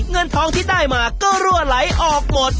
เงินทองที่ได้มาก็รั่วไหลออกหมด